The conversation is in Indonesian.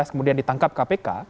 kemudian ditangkap kpk